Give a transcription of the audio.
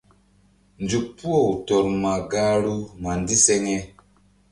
Nzuk puh-aw tɔr ma gahru ma ndiseŋe.